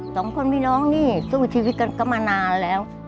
สองคนพี่น้องนี่สู้ชีวิตกันก็มานานแล้ว